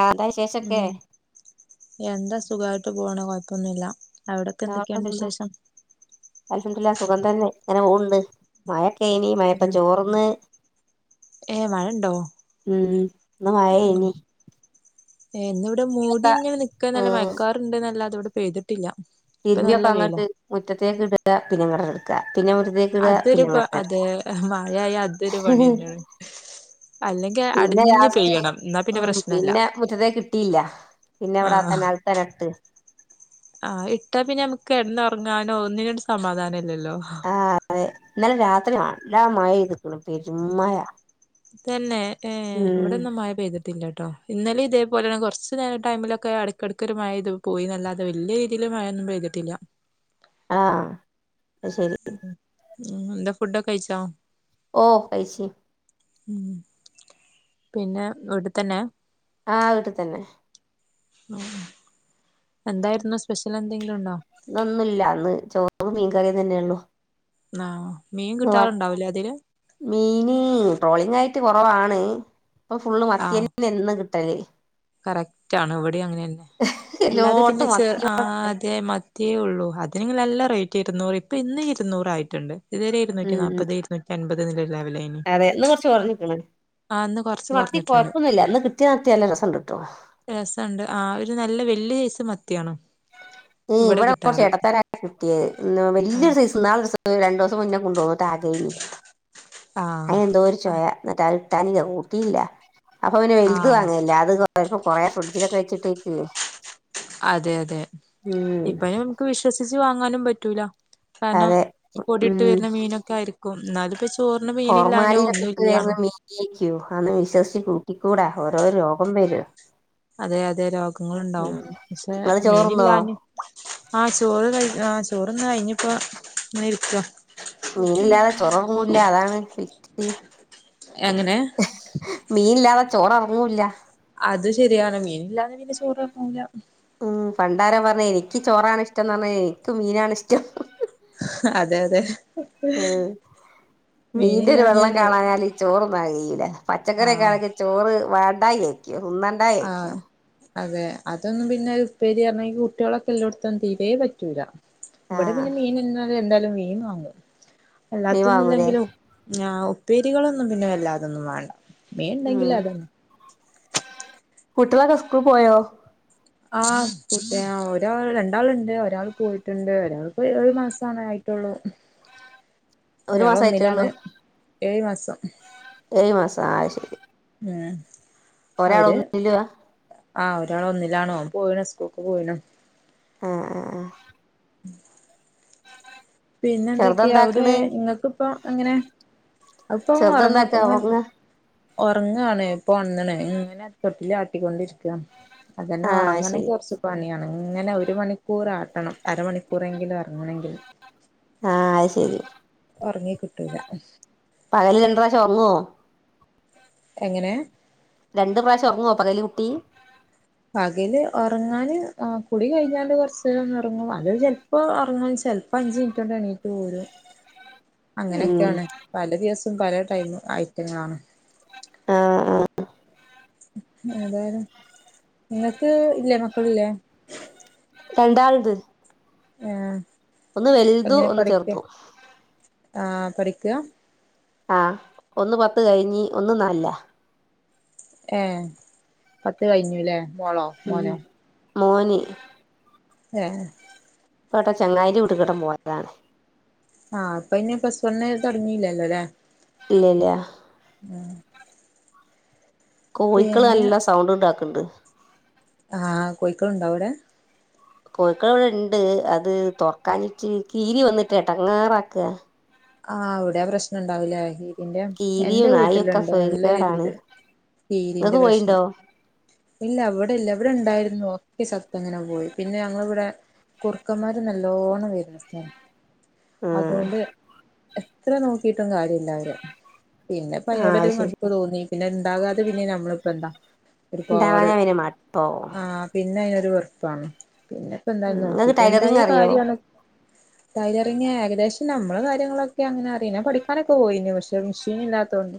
ആര്ത്തോയ്ച്ച ഉം എന്താ സുഖായിട്ട് പോണ് കൊഴപ്പൊന്നു ഇല്ല [unintelligible] ക്ക്‌ തെന്താ അൽഹംദുലില്ലാഹ് സുഖം തന്നെ ഇങ്ങനെ പോവ്ണ്ട് മഴൊക്കേയ്നി മഴപ്പ ചോറ്ന്ന് ഏ മഴണ്ടോ ഉം ഇന്ന് മഴേയ്നി ഏ ഇന്ന് വ്ടെ മൂടി ഇങ്ങനെ നിക്കാ നല്ലാ ഉം മയക്കാറ്ണ്ട് ന്നല്ലാതെ ഇവ്ടെ പെയ്തിട്ടില്ല ഇപ്പൊ തിര്മ്പി ഒക്ക നല്ല വെയില അങ്ങട്ട് മുറ്റത്തേക്ക് ഇടാ. പിന്നെ ഇങ്ങട്ടെന്നെ ഇട്ക്ക പിന്നെ മുറ്റത്തേ അതൊരു പ അതേ മഴ ആയാ അതൊരു പണിയെന്നേണ് പിന്നെ ലാസ്റ്റ് എന്നാ പിന്നെ ഉം പ്രശ്നല്ല പിന്നെ മുറ്റത്തേക്കിട്ടില്ല്യ പിന്നെ ആ വ്ടെ അക് തന്നെ അക് തന്നെ ഇട്ട് ആഹ് ഇട്ടാ പിന്നെ ഞമ്മക്ക് കെട് ന്നൊർങ്ങാനോ ഒന്നിനൊരു സമാധാനല്ലല്ലോ ആഹ് അതെ ഇന്നലെ രാത്രി നല്ല മഴയെത്ക്ക്‌ണു പെരും മഴ തെന്നെ ഏ ഉം ഇവ്ടൊന്നും മഴ പെയ്തി ട്ടില്ലട്ടോ, ഇന്നലിം ഇതേപോലെന്നെ കൊർച്ച് നേരം ഈ ടൈമിലൊക്കെ എട്ക്കെട്ക്കൊരു മഴെയ്ത് പോയിന്നല്ലാതെ വല്ല്യെ രീ തില് മഴൊന്നും പെഴ്തിട്ടില്ല്യ ആഹ് അയ് ശെരി ഉം എന്താ ഫുഡൊക്കെ കഴിച്ചോ ഓഹ് കഴിച്ച് ഉം പിന്നെ വീട്ട് ത്തന്നെ ആഹ് വീട്ട് തന്നെ ഉം ഉം എന്തായിരുന്നു സ്പെഷ്യൽ എന്തെങ്കിലും ഉണ്ടോ ഇന്നൊന്നു ഇല്ല ഇന്ന് ചോറും മീൻകറിം തന്നെ ഉള്ളു ആഹ് മീൻ കിട്ടാറ്ണ്ടാവുംല്ലേ അതില് മീന് ട്രോളിംഗ് ആയിട്ട് കൊറവാണ്. ഇപ്പ ഫുള്ള് ആ മത്തിയെനെ എന്നും കിട്ടല് കറക്റ്റ് ആണ് ഇവടിം അങ്ങനെയെന്നെ. അല്ലാതെ പിന്നെ എല്ലോട്ത്തും ചെ മത്തിയോട ആഹ് അതെ മ ത്തിയേ ഒള്ളൂ അതിനെങ്കിൽ നല്ല റേറ്റ് ഇര്ന്നൂറ്. ഇപ്പൊ ഇന്ന് ഇരുന്നൂറായിയിട്ട്ണ്ട് ഇതുവരെ ഉം ഇര്ന്നൂറ്റി ഉം നാൽത് ഇര്ന്നൂ റ്റി അൻമ്പത് ന്ന്ള്ളൊരു ലെവലേയ്‌നി അതെ ന്ന് കൊർച്ച് കൊർഞ്ഞ്ക്ക്ണ്. ഇന്ന് പക്ഷെ കുറച്ച് മത്തി കുറഞ്ഞിട്ടുണ്ട് കൊഴപ്പൊന്നുല്ല ഇന്ന് കിട്ട്യേ മത്തി നല്ല രെസണ്ട് ട്ടോ രസണ്ട്. ആ ഒരു നല്ല വല്ല്യ ഐസ് മത്തിയാണ് ഉം ഇവിടെ കൊറച്ച് എടത്താരാ കിട്ടിയേ ആ വല്ല്യ സൈസ് ഇന്നാളൊരുസം രണ്ടുവസം മുന്നേകൊണ്ടു വന്ന് താ തെയ്നി ആ അയിനെന്തോ ഒരു ചെവയ എന്നിട്ട് അത് ഇട്ടാന കൂട്ടിയില്ല അപ്പഫിന്നെ ആ വൽത് വാങ്ങല്ലെ അത് കൊറേമ്പ കൊറേ ഫ്രിഡ്ജിലൊക്കെ വെച്ചിട്ടേക്ക് അതെയതെ ഉം ഇപ്പഴും മുക്ക് വിശ്വസിച്ച് വാങ്ങാനും പറ്റൂല കാരനം അതെ പൊടിട്ട് ഉം വെരുന്ന മീനൊക്കെ ആയിരിക്കും ന്നാലും പെഷ് തോറിന് മീനില്ലായിനോ ഒന്നും ഇല്ല്യാന്ന് ജീ ക്യു ആണ് വിശ്വസിച്ച് കൂട്ടിക്കൂടാ ഓരോ രോഗം വരും അതെ അതെ ഉം രോഗങ്ങളുണ്ടാവും പക്ഷെ ഇങ്ങള് ചോറ്ന്നോ മീനില്ലാന് ആ ചോറ് കഴി ആ ചോറ്ന്ന്‌ കഴിഞ്ഞപ്പോ നിൽക്ക മീനില്ലാതെ ചോറെറങ്ങൂല്ല അതാണ് വിറ്റ് എങ്ങനേ? മീനില്ലാതെ ചോറെറങ്ങൂല്ല അത് ശരിയാണ് മീനില്ലാതിനീപ്പ ചോറെറങ്ങൂല ഉം പണ്ടാരാ പറഞ്ഞെ എനിക്ക് ചോറാ ണിഷ്ടംന്നറഞ്ഞ എനിക്ക് മീനാണി ഷ്ടം അതെ അതെ ഉം മീന്റൊര് വെള്ളം മീനില്ലാഞ്ഞാല് കാണാഞാല് ചോറ് നാഗീല പച്ചക്കറിയെ ആഹ് കാളക്കെ ചോറ് വാണ്ടായെനിക്ക് ഉണ്ണാന് ആഹ് അതെ അതൊന്നും പിന്നെ ഉപ്പേരിയാർ ണെങ്കി കുട്ടികളൊക്കെള്ളോട്ത്ത് തീരേ പറ്റൂല ഇവിടെ ആഹ് പിന്നെ മീനിരുന്നാലും എന്തായാലും മീൻ വാങ്ങും മീൻ വാങ്ങൂലേ അല്ലാത്തൊന്നുല്ലെങ്കിലും ഞാവു ഉപ്പേരികളൊന്നും പിന്നെ വെല്ലാതൊന്നും വേണ്ട മീൻ ഉണ്ടെങ്കിൽ ഉം അതന്നെ കുട്ട്യളൊക്കെ ഉസ്കൂളി പോയോ? ആ കുട്ട്യ ഒരാൾ രണ്ടാളുണ്ട് ഒരാൾ പോയിട്ടുണ്ട് ഒരാൾപ ഒരുമാസാണേ ട്ടുള്ളൂ ഒരു മാസായിട്ടേ ഉള്ളൂ അയാളൊന്നിലാണ് ഏഴ് മാസം ഏഴ് മാസാ ആഹ് അയ്ശരി ആഹ് അവര് ഒന്നിലുവാ ആഹ് ഒരാള് ഒന്നിലാണോംപോയിണ സ്കൂൾക്ക് പോയിണം ആഹ് ആഹ് ആഹ് പിന്നെന്തെക്കെയാ അവിടെ ചെറുതെന്താക്ക്ണ് ങ്ങക്ക്പ്പം എങ്ങനെ? അതിപ്പോങ്ങ് ഒറങ്ങ് ചെറുതെന്താക്കാ ഇപ്പങ്ങനെ ഒറങ്ങാ ഒറങ്ങാണേ ഇപ്പൊ ഒണന്ന്‌ണേ ഇങ്ങനെ തൊട്ടില്ലാട്ടിക്കൊണ്ടിരിക്കാ അതന്നെ ആഹ് അത് ശരി ഒറങ്ങണെങ്കിയൊറച്ച് പണിയാണ് ഇങ്ങനെ ഒരു മണിക്കൂറാട്ടണം അരമണിക്കൂറെങ്കിലും ഒറങ്ങണെങ്കി അയ് ശെരി ഒറങ്ങിക്കിട്ടൂല പകല് രണ്ട്റാവശം ഒറങ്ങോ എങ്ങനേ രണ്ട് പ്രാവശം ഒറങ്ങോ പകല് കുട്ടീ പകല് ഒറങ്ങാന് ആഹ് കുടി കയ്ഞ്ഞാല് കൊറച്ച്നേരന്ന്‌ ഉറങ്ങും അത് ജ പ്പൊ ഒറങ്ങും ചെൽപ്പഅഞ്ചു മിനിറ്റ് കൊണ്ട് എണീറ്റ് പോരും ഉം അങ്ങനെക്കെയാണ് പല ദിവസം പല ടൈമ് ഐറ്റങ്ങളാണ് ആഹ് ആഹ് ഏതായാലും നിങ്ങക്ക് ഇല്ലേ മക്കളില്ലേ രണ്ടാൾത് ആ വലുതു എങ്ങനെ ഒന്ന് പഠിക്ക ചെറുതു ആ പഠിക്കാ? ആ ഒന്ന് പത്ത് കയിഞ്ഞ് ഒന്ന്‌ നാലിലാ ഏ പത്ത് കയിഞ്ഞൂല്ലേ ഉം മോനി ഏഹ് പേ ട്ടാ ചങ്ങായിന്റെ വീട്ടി കിട്ടൻ പോയതാണ് ആഹ് അപ്പ അ ഇന് പ്ലസ് വൺ തുടങ്ങിയില്ലല്ലോ അല്ലേ ഇല്ല ഇല്ല ഉം കോഴക്കൾ പിന്നെ നല്ലാ സൗണ്ട് ഉണ്ടാക്ക്ണ്ട് ആ കോഴക്കൾ ഉണ്ടോ അവിടെ കോഴക്കൾ ഇവിടെ ഇണ്ട് അത് തുറക്കാാനിട്ട് കീരി വന്നിട്ട് ഇട്ടങ്ങാറാക്കുക ആഹ് അവിടെയാ പ്രശ്നം ഉണ്ടാവൂല്ലേ തിറെ കീരിയും എന്റെ നായൊക്കെ വീട്ടിലുണ്ട് നല്ല സൊയിൽക്കേടാണ് രീതിയില് കീരിന്റെ ഇങ്ങക്ക് കോഴിണ്ടോ പ്രശ്നം ഇല്ല അവിടെ ഇല്ല എവിടെ ഉണ്ടായിരുന്നു ഒക്കെ ചത്ത് ഇങ്ങനെ പോയി പിന്നെ ഞങ്ങിവിടെ കുർക്കന്മാര് നല്ലോണം വരുന്ന സ്ഥാനം ആഹ് എത്ര നോക്കിട്ടും കാര്യമില്ല അവര് പിന്നെപ്പോയ്. ആ ഒരൂ മടൊരു അത് ശരി മടുപ്പ് തോന്നി പിന്നെ ഉണ്ടാകാതെ പിന്നെ നമ്മളിപ്പോ എന്താ ഒരുപാട് ഇണ്ടാവാഞ്ഞാ പിന്നെ മടുപ്പാവും ആ പിന്നെ അതിനൊരു വെറപ്പാണ് പിന്നെ ഇപ്പോ എന്തായാലും ഉം ഇങ്ങക്ക് നോക്കിട്ട്ഉണ്ടായ ടൈലറിങ് അറിയോ കാര്യമാണ് ടൈലറിങ് ഏകദേശം ഞാൻ നമ്മ കാര്യങ്ങളൊക്കെ അങ്ങനെ അറെ പഠിക്കാനൊക്കെ പോയി പക്ഷ മെഷീൻ ഇല്ലാത്തതൊണ്ട്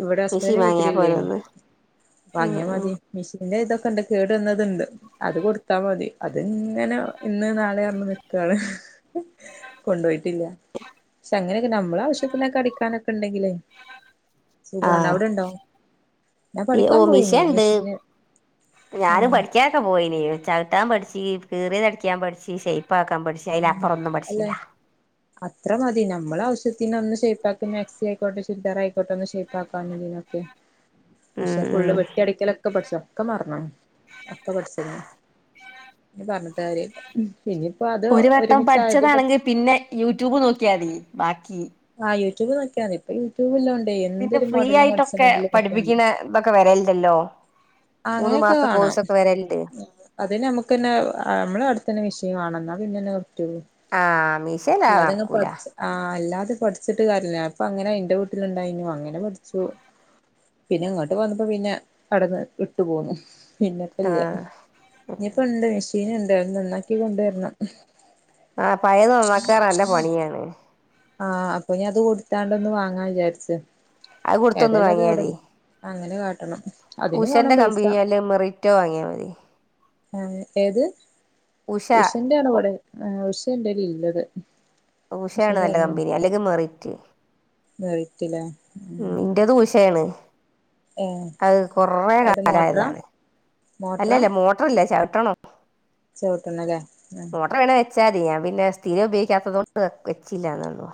ഇവിടെ മിഷീൻ ഹസ്ബൻറിന് വാങ്ങിയാ വിട്ടിലില്ല ഇന് പോരേന്ന് അ ഉം വങ്ങിയ ഉം മതി മെഷീന്റെ ഇതൊക്കെ ഇണ്ട് കേട്ന്നതുണ്ട് അത് കൊടുത്താ മതി അത് ഇങ്ങനെ ഇന്ന് നാളെ പറഞ്ഞു നിൽക്കയാണ് കൊണ്ടു പോയിട്ടില്ല പക്ഷെ അങ്ങനെയൊക്കെ നമ്മള ആവശ്യത്തിനൊക്കെ അടിക്കാനൊക്കെ ഉണ്ടെങ്കിലേ സുഖാണ് ആഹ് അവിടെണ്ടോ ഞാൻ ഈ ഓ പഠിക്കാൻ പോയിനു മിഷണ്ട് മെഷീന് ഉ ചക്കൊക്കെ പോയിന ചവിട്ടാൻ പഠിച്ചു കീറിതടിക്കാൻ പഠി ഷേപ്പ് ആക്കാൻ പഠിച്ചു അല്ലേ അത്ര മതി നമ്മൾ ആവശ്യത്തിന് ഒന്ന് ഷൈപ്പ്ആക്കാനും മാക്സി ആയിക്കോട്ടെ ചുരിദാറായിയിക്കട്ടെ ഒന്ന് ഷേപ്പ്ക്കാെ ഉം പക്ഷെ ഫുള്ള് ഉം വെട്ടി അടിക്കലൊക്കെ പഠിച്ച ഒക്കെ മറന്ന് ഒക്കെ പഠിച്ചത് പി പറഞ്ഞിട്ട് കാര്യ പിന്നപ്പോ അത് ഒരു വട്ടം ഒരുമിച്ചയതി പഠിച്ചതാണെങ്കി പിന്നെ യൂട്യൂബ് നോക്കിയാതി ബാക്കി ആഹ് യൂട്യൂബ് നോക്കാതി ഇപ്പ യൂട്യൂബ് ഇല്ലാംണ്ടണ്ട് പിന്നെ എന്തൊ ഫ്രീ മോഡലും ആയിട്ടൊക്കെ കടിച്ചണമെങ്കില നോക്കാേ പഠിപ്പിക്കണ ഇതൊക്കെ വരലണ്ടല്ലോ മൂന്ന മാസ കോഴ്സൊക്കെ വരലണ്ട് അതി നമുക്ക് തന്നെ നമ്മള് അടുത്തന്നെ മെഷീൻ കാണന്നാ പിന്നെന്നെ കുറച്ച ആഹ് മീഷേല് അത് ഇല്ലതെങ്ങ നടക്കൂല പഠിച്ച ആഹ് അല്ലാതെ പഠിറ്റിട്ട് കാര്ല്ല അപ്പൊ അങ്ങനെ അയിന്റെ വീട്ടിലുണ്ടായിനു അങ്ങനെ പഠിച്ചു പിന്നെ ഇങ്ങോട്ട് വന്നപ്പോ പിന്നെ അടന്ന് ഇട്ടു പോന്നു പിന്നെപ്പല്ലേ ആഹ് ഇനിയിപ്പ ഉണ്ട് മെഷീൻ ഉണ്ട് അത് നന്നാക്കി കൊണ്ടുവരണം ആ പയത് നന്നാക്കാറ നല്ല പണിയാണ് ആഹ് അപ്പൊ ഇ അത് കൊടുത്താണ്ട ഒന്ന് വാങ്ങാ വിചാരിച്ച അത് കൊടുത്തൊന്ന് ഏതല്ല അത് എവിടെ വാങ്ങിയാതി അങ്ങനെ കാട്ടണം അതിന് ഉഷന്റെ വാണം കമ്പനിയല് മെറിറ്റോ വാങ്ങിയാൽ മതി ആ ഏത് ഉഷന്റെ ആണ ഉഷ അവിടെ ആഹ് ഉഷന്റെേലൽ ഇള്ളത് ഉഷയാണ് നല്ല കമ്പനി അല്ലെങ്കി മെറിറ്റ് മെറിറ്റ്ലേ ഉം ഇൻ്റെത് ഉഷേണ് ഏഹ് അത് കൊറെ അത് മോട്ടറാ കാലായതാണ് മോട്ടറാ അല്ലല്ല മോ മോട്ടർല്ല ചവിട്ടണോ ചവിട്ടണല്ലേ മോട്ടർ വേണ വെച്ചാതി ഞാ പിന്നെ സ്ഥിരം ഉപയോഗിക്കാത്തതോണ്ട് വെച്ചില്ലാന്നൊള്ളു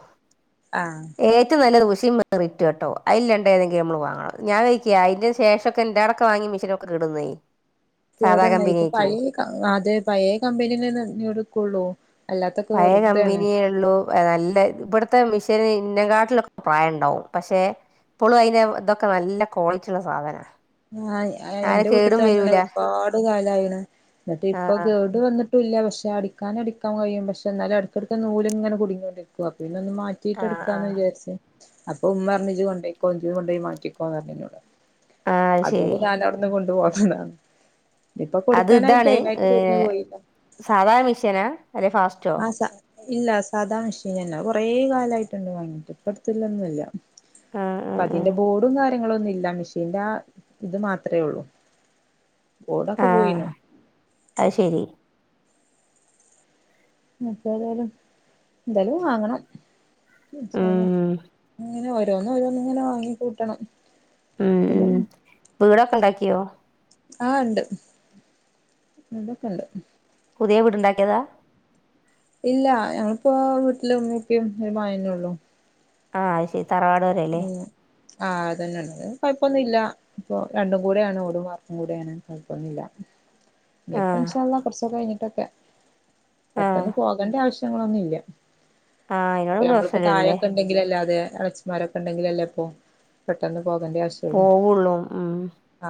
ആഹ് ഏറ്റവും നല്ലത് ഉഷേ മെറിറ്റും കേട്ടോ അതില്ലണ്ട ഏതെങ്കും മ്മൾ വാങ്ങണം ഞാ ഒരിക്കെ അതിന്റെ ശേഷൊക്കെ എൻ്റോടക്കെ വാങ്ങിയ മെഷീ ചിലതൊക്കെ കേട് വന്നേയ് കേടെന്ന ഇപ്പൊ പയേ അതെ പയേ കമ്പനിനന്നടുക്കൊള്ളൂ പയേകമ്പനിയെ ള്ളു നല്ല ഇബടുത്തെ മിഷ്യൻ ഇന്നെ കാട്ടിലൊക്കെ പ്രായംണ്ടാവും പക്ഷെ ഇപ്പൊളും അയ്ന്റെ തൊക്കെ നല്ല ക്വാളിറ്റിള്ള സാധന ആഹ് അയ്‌ന്റെഎന്റെ വീട്ട്ത്തെനല്ല ഒരുപാട് കാലായിണ് ന്നിട്ട് ആ ഇപ്പൊകേട് വന്ന് ട്ടുല്ല പക്ഷെ അടിക്കാന് അടിക്കൻ കഴിയും പക്ഷെന്നാലുംഎടക്കടുക്ക് നൂല്ങ്ങനെ കുടുങ്ങിക്കൊണ്ടിരിക്കു അപ്പൊ പിന്നൊന്ന് മാറ്റി ആ ആ ട്ടീട്ട്ടുക്കാന്ന് വിചാരിച്ച് അപ്പ ഉമ്മർഞ് ഇജ്ജ് കൊണ്ടോക്കോഇജ്ജ് കൊണ്ടോയി മാറ്റിക്കോന്ന് പറഞ്ഞൂന്നോട് ആഹ് അത് അതൊണ്ട് ശരി ഞാനഔട്ന്ന് കൊണ്ടു പോന്നതാ ഇപ്പൊ കൊടുക്കാനായ്ട്ടേയ് മേത്ത് കെറിഞ് പോയില്ല സാധാമിഷേനാ അതെ ഫാസ് ആഹ് സ ഇല്ല സാധാമെഷീനന്ന കൊറേ കാലായിട്ടുണ്ട് വാങ്ങിട്ട് ഇപ്പടത്തില്ലൊന്നുംഅല്ല ആഹ് ആഹ് ആഹ് പ്പതിന്റെ ബോഡും കാ ങ്ങളൊന്നുംല്ല മെഷീന്റെ ആഹ് ഇത് മാത്രേഉള്ളൂ ഓടൊക്കെ പോയിനു അയ്ശെരി [unintelligible] ന്തേലുംവാങ്ങണംഇൻശഅള്ളാഹ് ഉം ഇങ്ങനെ ഓരോന്ന് ഓരോന്ന്ങ്ങനെ വാങ്ങി കൂട്ടണം ഉം പിന്നെ ഉം വീടൊക്കെണ്ടാക്ക്യോ ആഹ് ണ്ട് ഇതൊക്കെണ്ട് പുത്യേവീട്ണ്ടാക്ക്യേതാ ഇല്ല ഞങ്ങളിപ്പോ വീട്ടില് ഉമ്മിപ്പി ഒരു മായേനൊള്ളു ആഹ്അഹ് ശെരി തറവാടെരെല്ലേ ഉം ആഹ് അതന്നെണ്ട്കൊയപ്പൊന്നുല്ല ഇപ്പൊ രണ്ടും കൂടെണ് ഓടും വാർപ്പും കൂടെണ് കൊഴപൊന്നില്ല നിപ്പ ആഹ് ഇൻഷാഅള്ളാ കൊർച്ചൊക്കെ കഴിഞ്ഞിട്ടൊക്കെ ആഹ് പെട്ടെന്ന് പോകണ്ട ആവശ്യം ഞങ്ങളൊന്നില്യ ആഹ് അയിനോടൊന്നും നമ്മളിപ്പോ പ്രശ്നല്ലല്ലേ താഴൊക്കെണ്ടെങ്കിലല്ലേ അതേ അടച്ചി മാരൊക്കെണ്ടെങ്കിലല്ലേപ്പൊ പെട്ടെന്ന് പോകേണ്ടിആവശ് പോവുള്ളൂ ഉം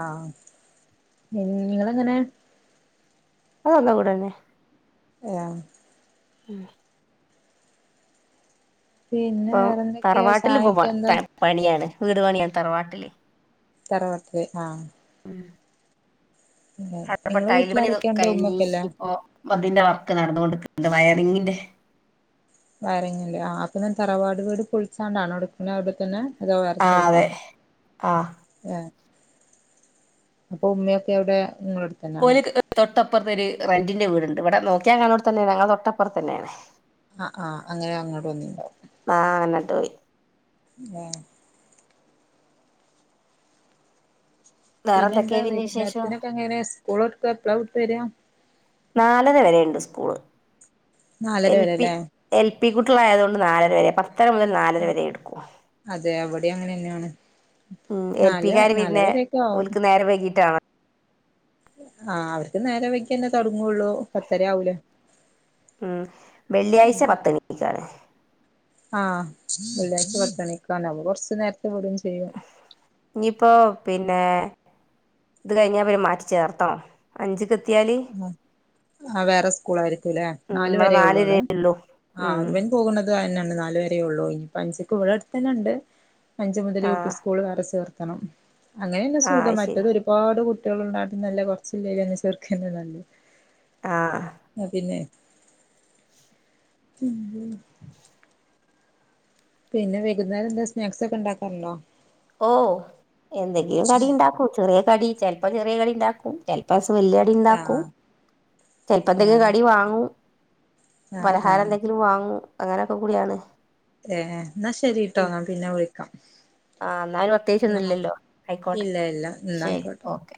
ആഹ് നിങ്ങെളെങ്ങനെ അതവളെ കൂടന്നേ [unintelligible] ഉം പിന്നെ ഇപ്പം വേറെന്തൊക്കെയാ തറവാട്ടില് ഇപ്പ പ ചായൊക്കെ എന്താ ത പണിയാണ് വീട് പണിയാണ് തറവാട്ടില് തറവാട്ടില് ആഹ് ഉം അപ്പെപ്പ നിങ്ങളെ ടൈല് പണിക്കെ വീട്ടിലാരൊക്കെയുണ്ട് കഴിഞ് ഉമ്മൊക്കെല്ലേ ഇപ്പോ അതിന്റെ വർക്ക് നടന്നുക കൊണ്ട്ക്ക്ണ്ട് വയറിങ്ങിന്റെ വയറിങ്ങല്ലേ ആഹ് അപ്പംനതറവാട് വീട് പുളിച്ചാണ്ടാണോടുക്കുന്നെ അവിടെത്തന്നെ അതോ വേറെ ആഹ് സ്ഥൽത്ത അതെ ആഹ് ആപ്പൊഉമ്മിക്കെഎവ്ടെ നിങ്ങളെട് പോലേക്ക് തൊട്ടപ്പൊർത്ത് ഒരു റന്റിന്റെ വീട്ണ്ട് ഇവടെ നോക്ക്യാ കാണട്തന്നെണ് ഞങ്ങളെ തൊട്ടപ്പർ തന്നെണ് ആഹ് ആഹ അങ്ങനെ അങ്ങോട്ട് വന്നിണ്ടാവും ആഹ വന്നിട്ടോയ് [inaudible] വേറെ പിന്നെന്താ എന്തൊക്കെയാ പിന്നെ വിശേഷം വൈകുനേരത്തിനൊക്കെ ങ്ങനെ സ്കൂള്ട്ട് എപ്ലാവിട്ട് വെരാ നാലര വെരണ്ട് സ്കൂള് നാലര എൽ പി വരെല്ലേ എൽ പി കുട്ട്ളായത്കൊണ്ട് നാലരവെ പ ത്തരമുതൽ നാലരവരെ എടുക്കും അതെ അവിടെയും അങ്ങനെ തന്നെയാണ് ഉം നാല് എൽപിക്കാര് നാലര പിന്നെ വരെയൊക്കെ ആവും ഒൽക്ക് നേരെ വൈകിട്ടാണ് ആഹ് അവര്ക്ക് നേരെ വെക്യേന്നെ തൊടങ്ങൊള്ളൂ പത്തര ആവൂലേ ഉം വെള്ളിയാഴ്ച പത്ത്ണിക്കാണ് ആഹ് വെള്ളിയാഴ്ച പത്ത്ണിക്കണ അത് കൊറച്ച്നേരത്തെ വിടുംചെയ്യും ഇഞ്ഞിപ്പോ പിന്നെ ഇത് കഴിഞ്ഞ പിന്നെമാറ്റി ചേർത്തണോ അഞ്ച്ക്ക് എത്യാല് ആഹ വേറേസ്കൂളാർക്ക് ലെ ഉം നാല് ഇവിടെ വരേള്ളൂ നാലരേ അവ്ടെ ഉള്ളൂ ആഹ ഉം അവൻ. പോക്ണത് അതന്നെ നാല് വരേള്ളൂ ഇനിപ്പ അസിക്ക് ഇവിടട്ത്തന്നണ്ട്. അഞ്ചു മുതൽ യു പി ആഹ് സ്കൂൾ വേറെ ചേർത്തണം അങ്ങനേണേ സുഖ ആഹ് അത് ശരി മറ്റത് ഒരു. ഒരുപാട് കുട്ടികൾ ഉണ്ടാട്ട നല്ല കുറച്ചില്ലേന്ന ചേർക്കുന്നത് നല്ല ആഹ ആഹ പിന്നെ. [inaudible] പിന്നെ വെകുന്നേരം എന്താ സ്നാക്സ് ഒക്കെ ഇണ്ടാക്കറുണ്ടോ. ഓഹ് എന്തെങ്കിലും കടി ഇണ്ടാക്കും ചെറിയ കടി ചെൽപ്പോ ചെറിയ കടിണ്ടാക്കും ചെൽപോവല്ല്യ ണ്ടാക്കും ആഹ് ചെൽപ്പെന്തെങ്കിലും ആഹ് കടി വാങ്ങും. ആഹ് ആഹ് പലഹാരെന്തെങ്കിലും വാങ്ങും അങ്ങനൊക്കെകൂടിയാണ്. ഏഹ് ന്നാ ശെരിട്ടോ ഞാൻ പിന്നെ വിളിക്ക. ആ എന്നാലും ആഹ് പ്രത്യേകിച്ചൊന്നുമില്ലല്ലോ ആയിക്കോട്ടെ ഇല്ലല്ല ശരി ന്നായിക്കോട്ടെ. ഓക്കെ